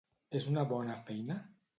És una bona feina?